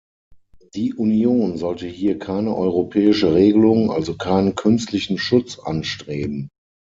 Die Union sollte hier keine europäische Regelung, also keinen künstlichen Schutz anstreben.